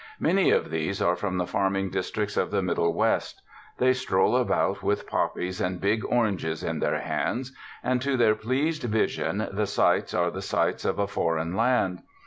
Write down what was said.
Many of these are from the farming districts of the Middle West. They stroll about with poppies and big oranges in their hands, and to their pleased vision the sights are the sights of a foreign land.